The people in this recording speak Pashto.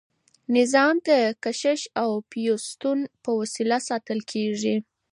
نظام د کشش او پیوستون په وسیله ساتل کیږي.